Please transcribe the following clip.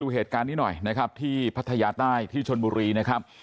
เหตุการณ์นี้หน่อยนะครับที่พัทยาใต้ที่ชนบุรีนะครับ